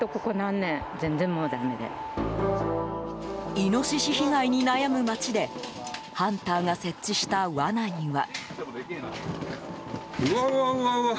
イノシシ被害に悩む町でハンターが設置したわなには。